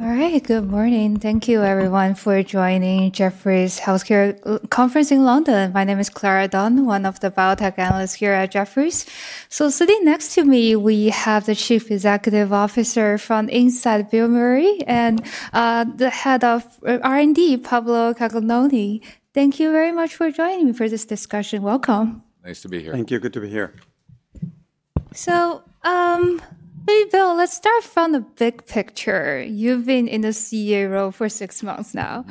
All right, good morning. Thank you, everyone, for joining Jefferies Healthcare Conference in London. My name is Clara Dunn, one of the biotech analysts here at Jefferies. Sitting next to me, we have the Chief Executive Officer from Incyte, Bill Meury, and the Head of R&D, Pablo Cagnoni. Thank you very much for joining me for this discussion. Welcome. Nice to be here. Thank you. Good to be here. Bill, let's start from the big picture. You've been in the CEO role for six months now.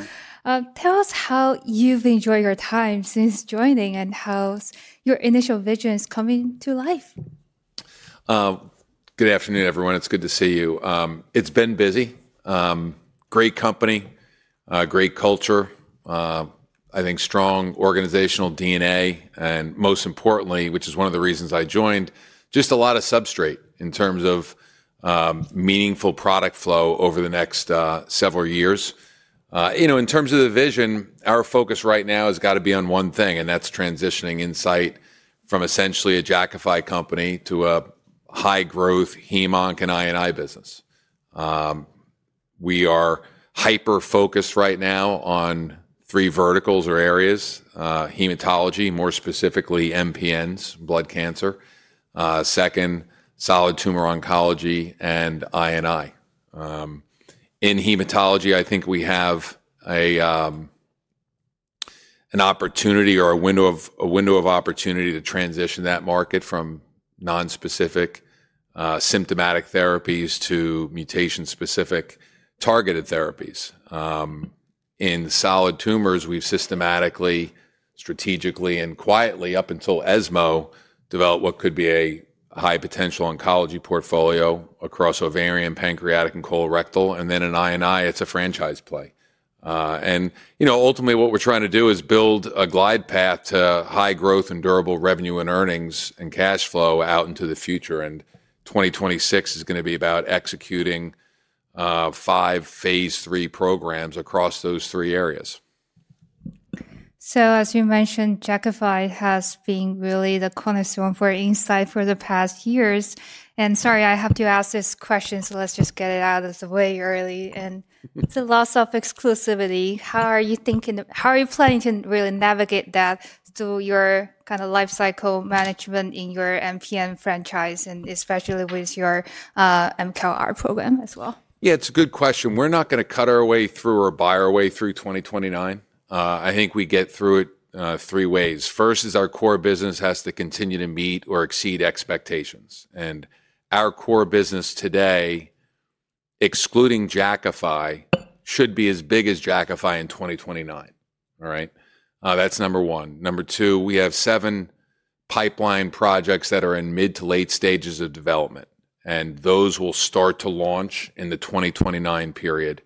Tell us how you've enjoyed your time since joining and how your initial vision is coming to life. Good afternoon, everyone. It's good to see you. It's been busy. Great company, great culture. I think strong organizational DNA, and most importantly, which is one of the reasons I joined, just a lot of substrate in terms of meaningful product flow over the next several years. In terms of the vision, our focus right now has got to be on one thing, and that's transitioning Incyte from essentially a Jakafi company to a high-growth, hem-onc and INI business. We are hyper-focused right now on three verticals or areas: hematology, more specifically MPNs, blood cancer; second, solid tumor oncology; and INI. In hematology, I think we have an opportunity or a window of opportunity to transition that market from nonspecific symptomatic therapies to mutation-specific targeted therapies. In solid tumors, we've systematically, strategically, and quietly, up until ESMO, developed what could be a high-potential oncology portfolio across ovarian, pancreatic, and colorectal, and then in INI, it's a franchise play. Ultimately, what we're trying to do is build a glide path to high growth and durable revenue and earnings and cash flow out into the future. 2026 is going to be about executing five phase three programs across those three areas. As you mentioned, Jakafi has been really the cornerstone for Incyte for the past years. Sorry, I have to ask this question, so let's just get it out of the way early. It's a loss of exclusivity. How are you thinking? How are you planning to really navigate that through your kind of life cycle management in your MPN franchise, and especially with your mCALR program as well? Yeah, it's a good question. We're not going to cut our way through or buy our way through 2029. I think we get through it three ways. First is our core business has to continue to meet or exceed expectations. And our core business today, excluding Jakafi, should be as big as Jakafi in 2029. All right? That's number one. Number two, we have seven pipeline projects that are in mid to late stages of development, and those will start to launch in the 2029 period.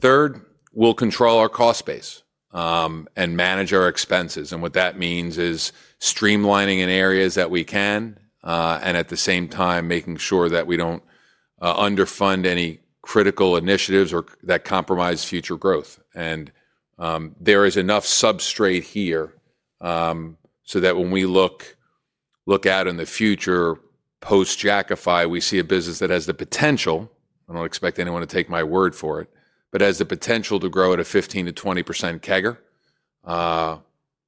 Third, we'll control our cost base and manage our expenses. And what that means is streamlining in areas that we can, and at the same time, making sure that we don't underfund any critical initiatives that compromise future growth. There is enough substrate here so that when we look at in the future, post-Jakafi, we see a business that has the potential—I do not expect anyone to take my word for it—but has the potential to grow at a 15%-20% CAGR.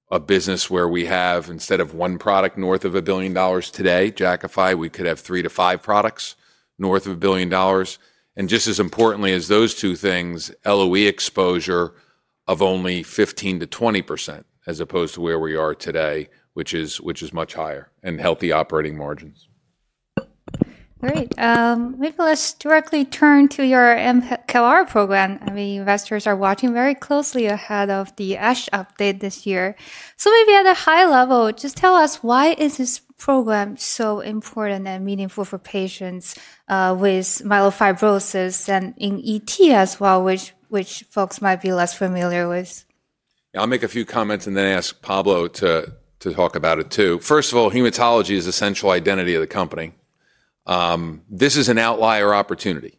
A business where we have, instead of one product north of a billion dollars today, Jakafi, we could have three to five products north of a billion dollars. Just as importantly as those two things, LOE exposure of only 15%-20%, as opposed to where we are today, which is much higher, and healthy operating margins. All right. Maybe let's directly turn to your mCALR program. I mean, investors are watching very closely ahead of the ASH update this year. Maybe at a high level, just tell us, why is this program so important and meaningful for patients with myelofibrosis and in ET as well, which folks might be less familiar with? Yeah, I'll make a few comments and then ask Pablo to talk about it too. First of all, hematology is the central identity of the company. This is an outlier opportunity.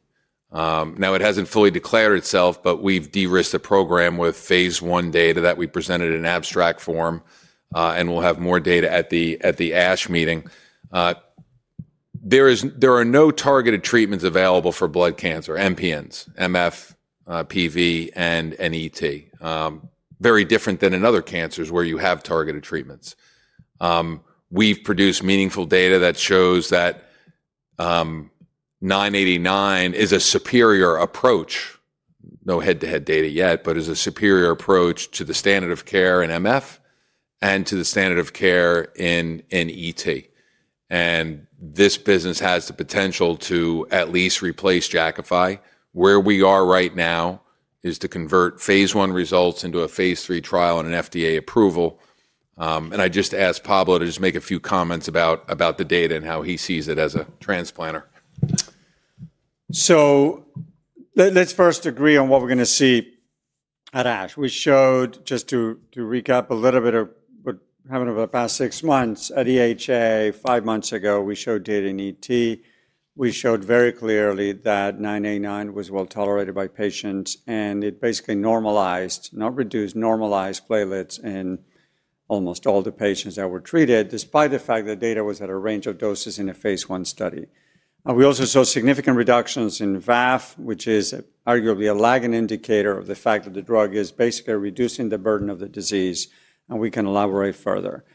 Now, it hasn't fully declared itself, but we've de-risked the program with phase one data that we presented in abstract form, and we'll have more data at the ASH meeting. There are no targeted treatments available for blood cancer, MPNs, MF, PV, and ET. Very different than in other cancers where you have targeted treatments. We've produced meaningful data that shows that 989 is a superior approach—no head-to-head data yet—but is a superior approach to the standard of care in MF and to the standard of care in ET. And this business has the potential to at least replace Jakafi. Where we are right now is to convert phase one results into a phase three trial and an FDA approval. I just asked Pablo to just make a few comments about the data and how he sees it as a transplanter. Let's first agree on what we're going to see at ASH. We showed, just to recap a little bit of what happened over the past six months at EHA five months ago, we showed data in ET. We showed very clearly that 989 was well tolerated by patients, and it basically normalized, not reduced, normalized platelets in almost all the patients that were treated, despite the fact that data was at a range of doses in a phase one study. We also saw significant reductions in VAF, which is arguably a lagging indicator of the fact that the drug is basically reducing the burden of the disease, and we can elaborate further.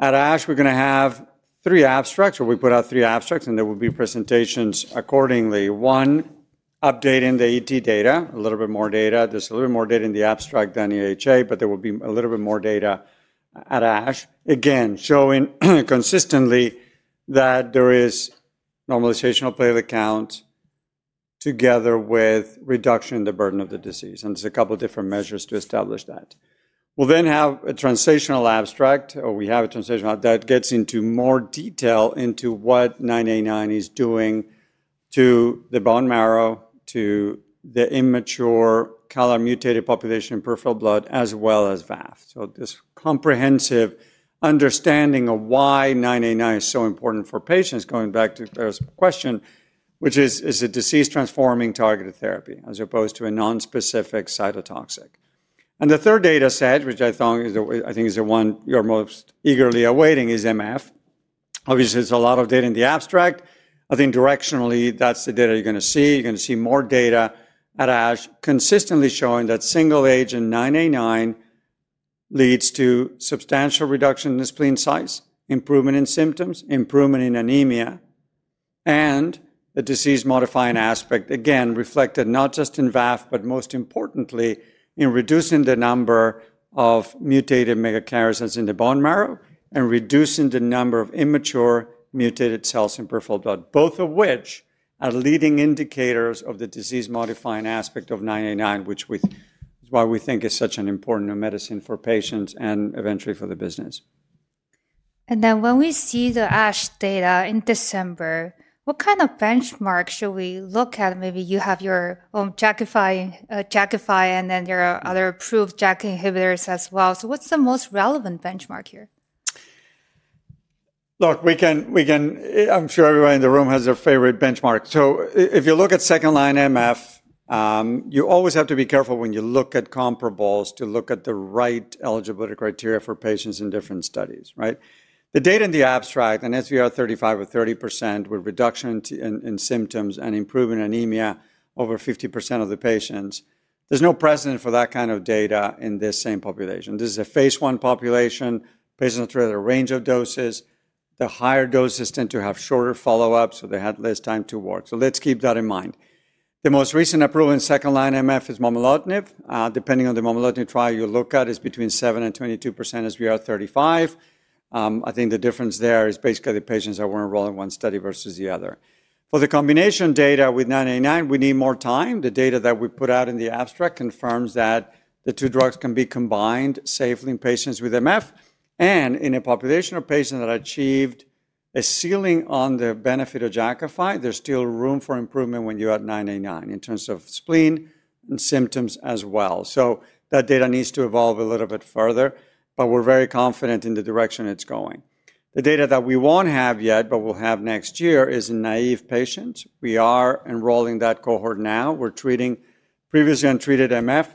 At ASH, we're going to have three abstracts, or we put out three abstracts, and there will be presentations accordingly. One, updating the ET data, a little bit more data. There's a little bit more data in the abstract than EHA, but there will be a little bit more data at ASH, again, showing consistently that there is normalization of platelet count together with reduction in the burden of the disease. There are a couple of different measures to establish that. We will then have a translational abstract, or we have a translational, that gets into more detail into what 989 is doing to the bone marrow, to the immature CALR-mutated population in peripheral blood, as well as VAF. This comprehensive understanding of why 989 is so important for patients, going back to first question, which is, is it disease-transforming targeted therapy as opposed to a nonspecific cytotoxic? The third data set, which I think is the one you're most eagerly awaiting, is MF. Obviously, there's a lot of data in the abstract. I think directionally, that's the data you're going to see. You're going to see more data at ASH consistently showing that single agent 989 leads to substantial reduction in the spleen size, improvement in symptoms, improvement in anemia, and the disease-modifying aspect, again, reflected not just in VAF, but most importantly, in reducing the number of mutated megakaryocytes in the bone marrow and reducing the number of immature mutated cells in peripheral blood, both of which are leading indicators of the disease-modifying aspect of 989, which is why we think it's such an important medicine for patients and eventually for the business. And then when we see the ASH data in December, what kind of benchmarks should we look at? Maybe you have your own Jakafi, Jakafi, and then there are other approved JAK inhibitors as well. What is the most relevant benchmark here? Look, we can, I'm sure everybody in the room has their favorite benchmark. If you look at second line MF, you always have to be careful when you look at comparables to look at the right eligibility criteria for patients in different studies, right? The data in the abstract, an SVR 35 with 30% with reduction in symptoms and improvement in anemia over 50% of the patients, there's no precedent for that kind of data in this same population. This is a phase one population, patients are treated at a range of doses. The higher doses tend to have shorter follow-up, so they had less time to work. Let's keep that in mind. The most recent approval in second line MF is momelotinib. Depending on the momelotinib trial you look at, it's between 7% and 22% SVR 35. I think the difference there is basically the patients that were enrolled in one study versus the other. For the combination data with 989, we need more time. The data that we put out in the abstract confirms that the two drugs can be combined safely in patients with MF, and in a population of patients that achieved a ceiling on the benefit of Jakafi, there's still room for improvement when you add 989 in terms of spleen and symptoms as well. That data needs to evolve a little bit further, but we're very confident in the direction it's going. The data that we don't have yet, but we'll have next year, is in naive patients. We are enrolling that cohort now. We're treating previously untreated MF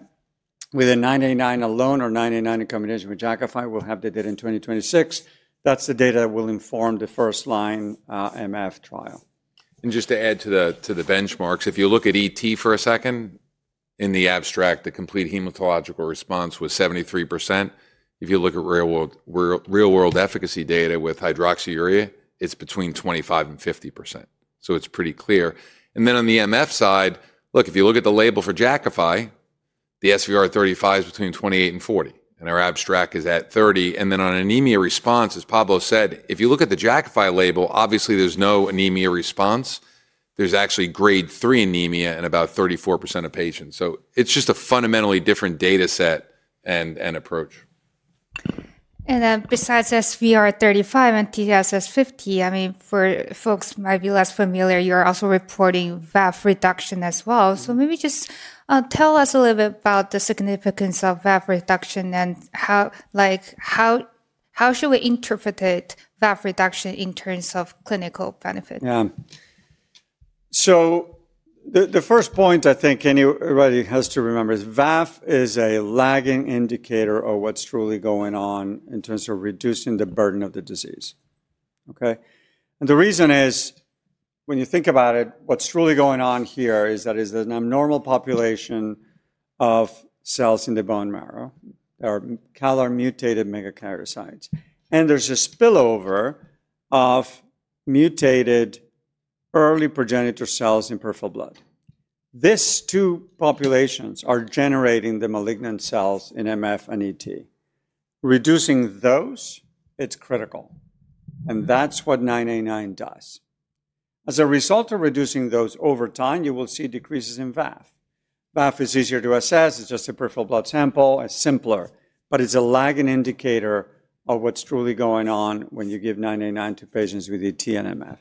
with 989 alone or 989 in combination with Jakafi. We'll have the data in 2026. That's the data that will inform the first line MF trial. Just to add to the benchmarks, if you look at ET for a second, in the abstract, the complete hematological response was 73%. If you look at real-world efficacy data with hydroxyurea, it's between 25% and 50%. It is pretty clear. If you look at the MF side, if you look at the label for Jakafi, the SVR 35 is between 28% and 40%, and our abstract is at 30%. On anemia response, as Pablo said, if you look at the Jakafi label, obviously there's no anemia response. There's actually grade 3 anemia in about 34% of patients. It is just a fundamentally different data set and approach. Besides SVR 35 and TSS 50, I mean, for folks who might be less familiar, you're also reporting VAF reduction as well. Maybe just tell us a little bit about the significance of VAF reduction and how should we interpret VAF reduction in terms of clinical benefit? Yeah. The first point I think anybody has to remember is VAF is a lagging indicator of what's truly going on in terms of reducing the burden of the disease. Okay? The reason is, when you think about it, what's truly going on here is that there's an abnormal population of cells in the bone marrow that are CALR mutated megakaryocytes. There's a spillover of mutated early progenitor cells in peripheral blood. These two populations are generating the malignant cells in MF and ET. Reducing those, it's critical. That's what 989 does. As a result of reducing those over time, you will see decreases in VAF. VAF is easier to assess. It's just a peripheral blood sample, it's simpler, but it's a lagging indicator of what's truly going on when you give 989 to patients with ET and MF.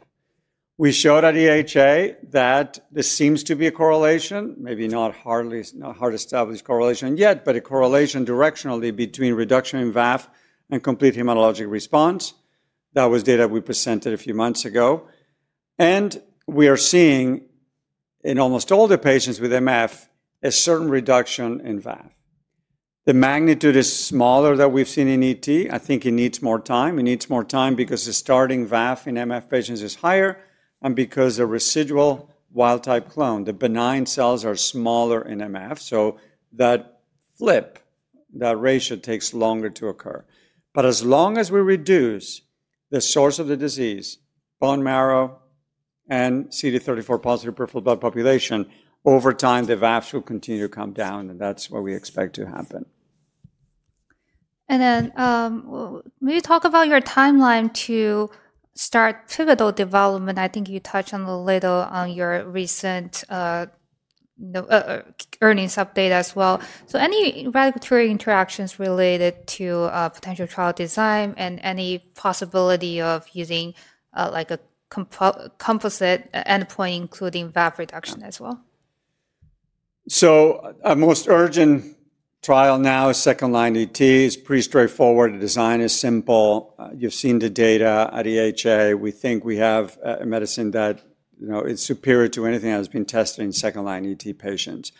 We showed at EHA that this seems to be a correlation, maybe not hard established correlation yet, but a correlation directionally between reduction in VAF and complete hematologic response. That was data we presented a few months ago. We are seeing in almost all the patients with MF a certain reduction in VAF. The magnitude is smaller than we've seen in ET. I think it needs more time. It needs more time because the starting VAF in MF patients is higher and because the residual wild-type clone, the benign cells, are smaller in MF. That flip, that ratio, takes longer to occur. As long as we reduce the source of the disease, bone marrow and CD34 positive peripheral blood population, over time, the VAFs will continue to come down, and that's what we expect to happen. Maybe talk about your timeline to start pivotal development. I think you touched on a little on your recent earnings update as well. Any regulatory interactions related to potential trial design and any possibility of using a composite endpoint, including VAF reduction as well? Our most urgent trial now is second line ET. It is pretty straightforward. The design is simple. You have seen the data at EHA. We think we have a medicine that is superior to anything that has been tested in second line ET patients.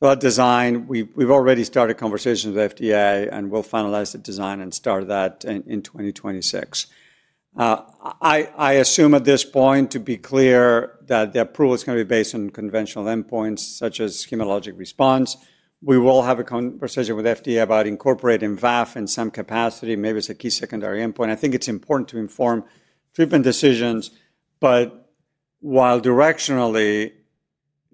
That design, we have already started conversations with FDA, and we will finalize the design and start that in 2026. I assume at this point, to be clear, that the approval is going to be based on conventional endpoints such as hematologic response. We will have a conversation with FDA about incorporating VAF in some capacity. Maybe it is a key secondary endpoint. I think it is important to inform treatment decisions, but while directionally,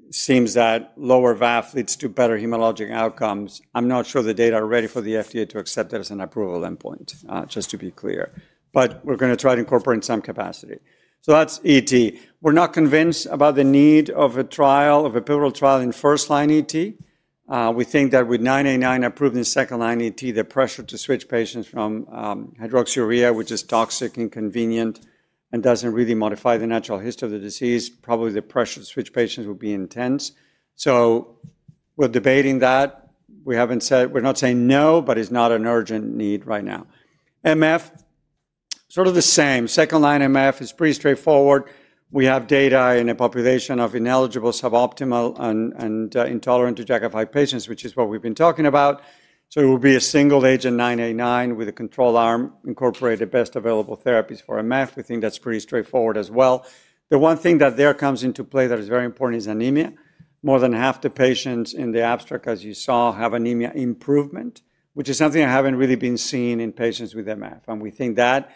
it seems that lower VAF leads to better hematologic outcomes, I am not sure the data are ready for the FDA to accept that as an approval endpoint, just to be clear. We're going to try to incorporate in some capacity. That's ET. We're not convinced about the need of a trial, of a pivotal trial in first line ET. We think that with 989 approved in second line ET, the pressure to switch patients from hydroxyurea, which is toxic and inconvenient and doesn't really modify the natural history of the disease, probably the pressure to switch patients will be intense. We're debating that. We're not saying no, but it's not an urgent need right now. MF, sort of the same. Second line MF is pretty straightforward. We have data in a population of ineligible, suboptimal, and intolerant to Jakafi patients, which is what we've been talking about. It will be a single agent 989 with a control arm incorporating best available therapies for MF. We think that's pretty straightforward as well. The one thing that there comes into play that is very important is anemia. More than half the patients in the abstract, as you saw, have anemia improvement, which is something that has not really been seen in patients with MF. We think that we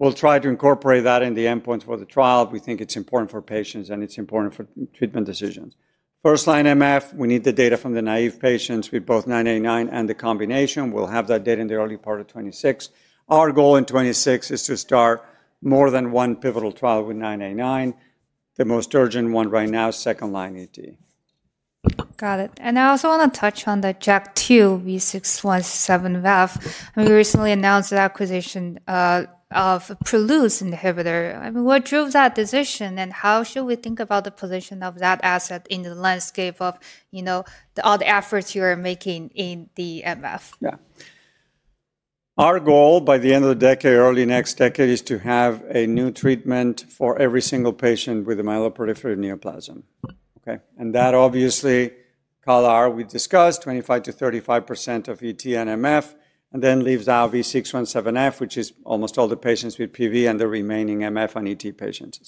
will try to incorporate that in the endpoints for the trial. We think it is important for patients and it is important for treatment decisions. First line MF, we need the data from the naive patients with both 989 and the combination. We will have that data in the early part of 2026. Our goal in 2026 is to start more than one pivotal trial with 989. The most urgent one right now is second line ET. Got it. I also want to touch on the JAK2 V617 VAF. We recently announced the acquisition of Prelude's inhibitor. I mean, what drove that decision, and how should we think about the position of that asset in the landscape of all the efforts you are making in the MF? Yeah. Our goal by the end of the decade, early next decade, is to have a new treatment for every single patient with a myeloproliferative neoplasm. Okay? That obviously, CALR, we discussed, 25%-35% of ET and MF, and then leaves V617F, which is almost all the patients with PV and the remaining MF and ET patients.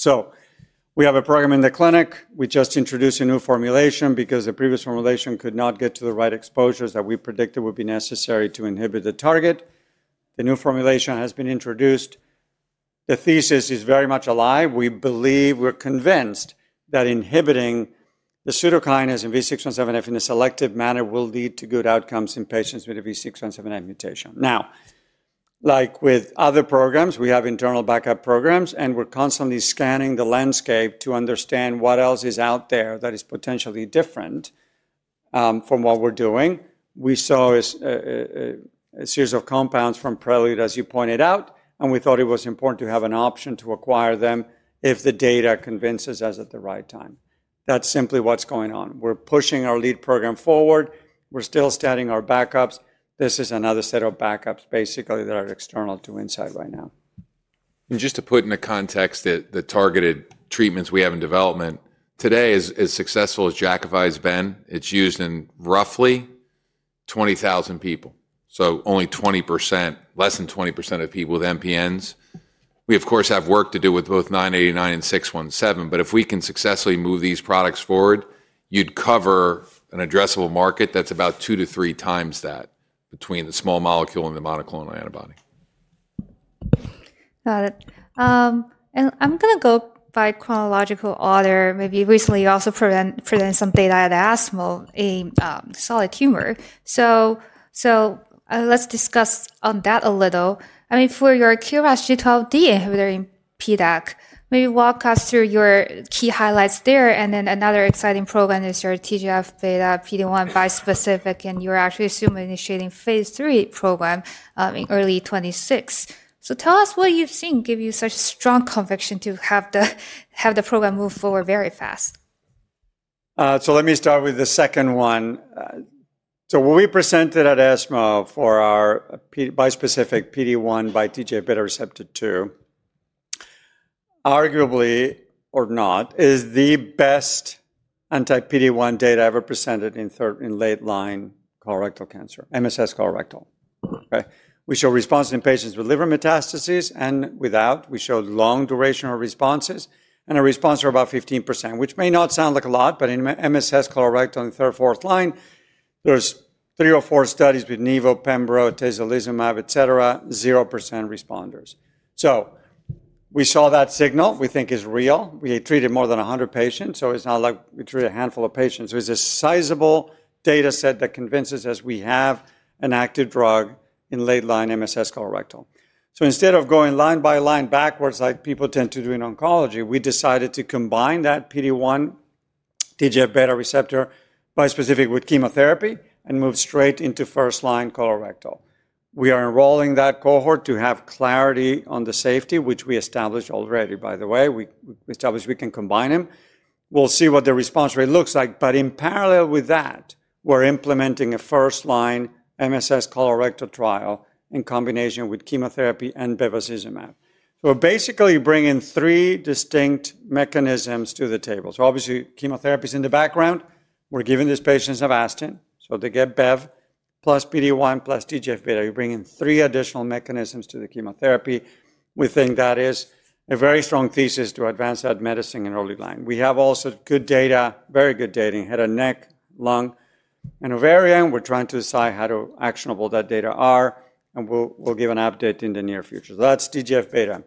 We have a program in the clinic. We just introduced a new formulation because the previous formulation could not get to the right exposures that we predicted would be necessary to inhibit the target. The new formulation has been introduced. The thesis is very much alive. We believe, we're convinced that inhibiting the pseudokinases in V617F in a selective manner will lead to good outcomes in patients with a V617F mutation. Now, like with other programs, we have internal backup programs, and we're constantly scanning the landscape to understand what else is out there that is potentially different from what we're doing. We saw a series of compounds from Prelude, as you pointed out, and we thought it was important to have an option to acquire them if the data convinces us at the right time. That's simply what's going on. We're pushing our lead program forward. We're still standing our backups. This is another set of backups, basically, that are external to Incyte right now. Just to put it in context, the targeted treatments we have in development today, as successful as Jakafi has been, it's used in roughly 20,000 people. So only 20%, less than 20% of people with MPNs. We, of course, have work to do with both 989 and 617, but if we can successfully move these products forward, you'd cover an addressable market that's about two to three times that between the small molecule and the monoclonal antibody. Got it. I'm going to go by chronological order. Maybe recently you also presented some data at ASH in solid tumor. Let's discuss on that a little. I mean, for your KRAS G12D inhibitor in PDAC, maybe walk us through your key highlights there. Another exciting program is your TGF-β PD-1 bispecific, and you're actually soon initiating phase three program in early 2026. Tell us what you've seen give you such strong conviction to have the program move forward very fast. Let me start with the second one. What we presented at ASH for our bispecific PD-1 by TGF-β receptor 2, arguably or not, is the best anti-PD-1 data ever presented in late line colorectal cancer, MSS colorectal. Okay? We showed response in patients with liver metastases and without. We showed long durational responses, and our response was about 15%, which may not sound like a lot, but in MSS colorectal in third, fourth line, there are three or four studies with nevo, pembro, atezolizumab, et cetera, 0% responders. We saw that signal, we think is real. We treated more than 100 patients, so it is not like we treated a handful of patients. It is a sizable data set that convinces us we have an active drug in late line MSS colorectal. Instead of going line by line backwards like people tend to do in oncology, we decided to combine that PD-1 TGF-β receptor bispecific with chemotherapy and move straight into first line colorectal. We are enrolling that cohort to have clarity on the safety, which we established already, by the way. We established we can combine them. We'll see what the response rate looks like. In parallel with that, we're implementing a first line MSS colorectal trial in combination with chemotherapy and bevacizumab. We're basically bringing three distinct mechanisms to the table. Obviously, chemotherapy is in the background. We're giving these patients Avastin, so they get BEV plus PD-1 plus TGF-β. You're bringing three additional mechanisms to the chemotherapy. We think that is a very strong thesis to advance that medicine in early line. We have also good data, very good data, in head and neck, lung, and ovarian. We're trying to decide how actionable that data is, and we'll give an update in the near future. That's TGF-β.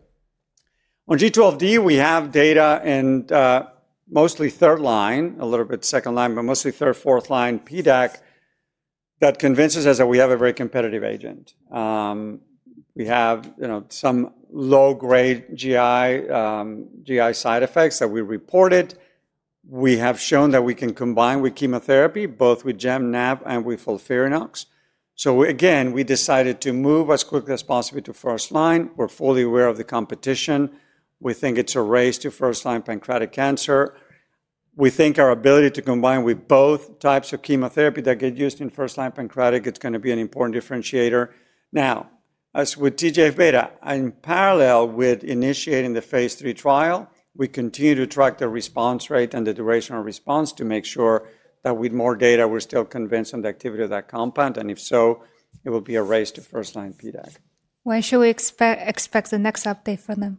On G12D, we have data in mostly third line, a little bit second line, but mostly third, fourth line PDAC that convinces us that we have a very competitive agent. We have some low-grade GI side effects that we reported. We have shown that we can combine with chemotherapy, both with Gem-nab and with FOLFIRINOX. Again, we decided to move as quickly as possible to first line. We're fully aware of the competition. We think it's a race to first line pancreatic cancer. We think our ability to combine with both types of chemotherapy that get used in first line pancreatic, it's going to be an important differentiator. Now, as with TGF-β, in parallel with initiating the phase three trial, we continue to track the response rate and the duration of response to make sure that with more data, we're still convinced on the activity of that compound. If so, it will be a race to first line PDAC. When should we expect the next update from them?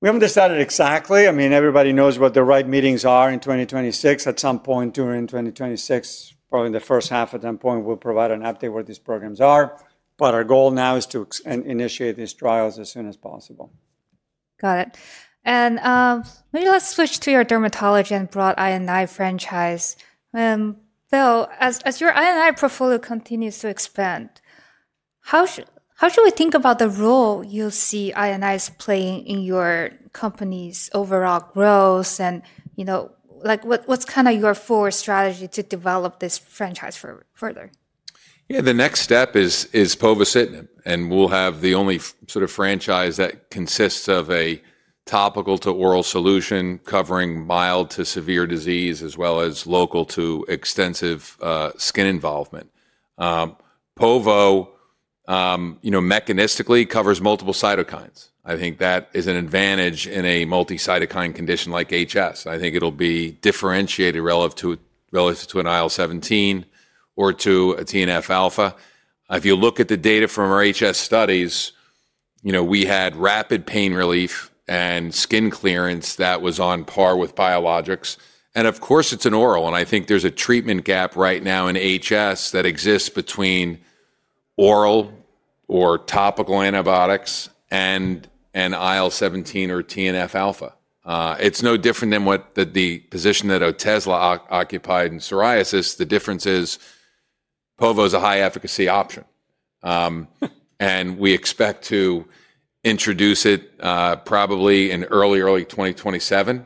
We haven't decided exactly. I mean, everybody knows what the right meetings are in 2026. At some point during 2026, probably in the first half of that point, we'll provide an update where these programs are. Our goal now is to initiate these trials as soon as possible. Got it. Maybe let's switch to your dermatology and broad INI franchise. Bill, as your INI portfolio continues to expand, how should we think about the role you see INIs playing in your company's overall growth? What's kind of your forward strategy to develop this franchise further? Yeah, the next step is povorcitinib, and we'll have the only sort of franchise that consists of a topical to oral solution covering mild to severe disease, as well as local to extensive skin involvement. Povo mechanistically covers multiple cytokines. I think that is an advantage in a multicytokine condition like HS. I think it'll be differentiated relative to an IL-17 or to a TNF-alpha. If you look at the data from our HS studies, we had rapid pain relief and skin clearance that was on par with biologics. Of course, it's an oral, and I think there's a treatment gap right now in HS that exists between oral or topical antibiotics and an IL-17 or TNF-alpha. It's no different than what the position that Otezla occupied in psoriasis. The difference is povo is a high-efficacy option, and we expect to introduce it probably in early, early 2027.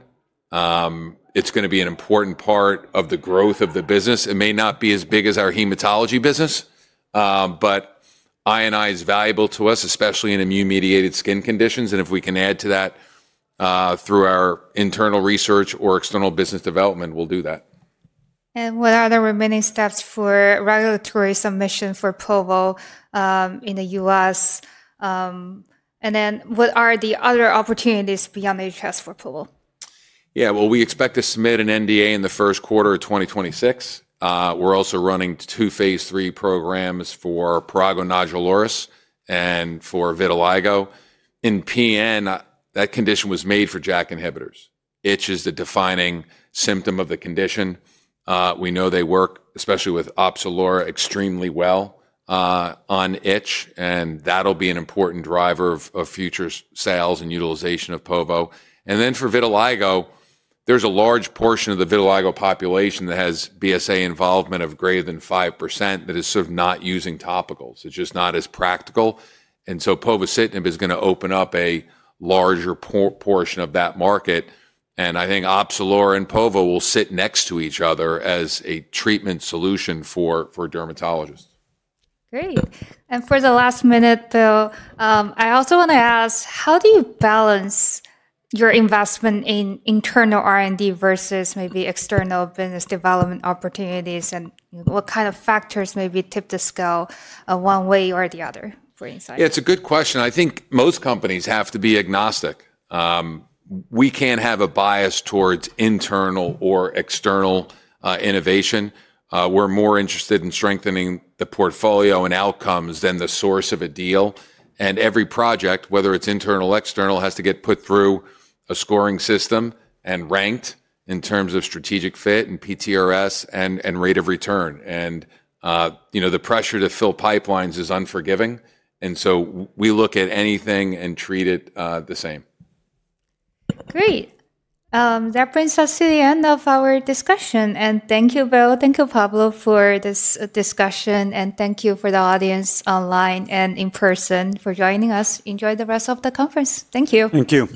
It's going to be an important part of the growth of the business. It may not be as big as our hematology business, but INI is valuable to us, especially in immune-mediated skin conditions. If we can add to that through our internal research or external business development, we'll do that. What are the remaining steps for regulatory submission for povorcitinib in the U.S.? What are the other opportunities beyond hidradenitis suppurativa for povorcitinib? Yeah, we expect to submit an NDA in the first quarter of 2026. We're also running two phase three programs for prurigo nodularis and for vitiligo. In PN, that condition was made for JAK inhibitors. Itch is the defining symptom of the condition. We know they work, especially with Opzelura, extremely well on itch, and that'll be an important driver of future sales and utilization of povorcitinib. For vitiligo, there's a large portion of the vitiligo population that has BSA involvement of greater than 5% that is sort of not using topicals. It's just not as practical. Povorcitinib is going to open up a larger portion of that market. I think Opzelura and povo will sit next to each other as a treatment solution for dermatologists. Great. For the last minute, Bill, I also want to ask, how do you balance your investment in internal R&D versus maybe external business development opportunities, and what kind of factors maybe tip the scale one way or the other for Incyte? Yeah, it's a good question. I think most companies have to be agnostic. We can't have a bias towards internal or external innovation. We're more interested in strengthening the portfolio and outcomes than the source of a deal. Every project, whether it's internal or external, has to get put through a scoring system and ranked in terms of strategic fit and PTRS and rate of return. The pressure to fill pipelines is unforgiving. We look at anything and treat it the same. Great. That brings us to the end of our discussion. Thank you, Bill. Thank you, Pablo, for this discussion. Thank you for the audience online and in person for joining us. Enjoy the rest of the conference. Thank you. Thank you.